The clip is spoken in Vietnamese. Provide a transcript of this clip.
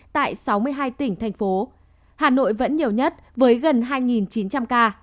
tại sáu mươi hai tỉnh thành phố hà nội vẫn nhiều nhất với gần hai chín trăm linh ca